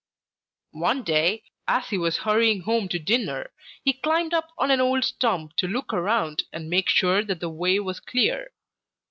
"One day as he was hurrying home to dinner, he climbed up on an old stump to look around and make sure that the way was clear.